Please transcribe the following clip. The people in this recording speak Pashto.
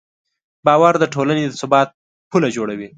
باور د ټولنې د ثبات پله جوړوي.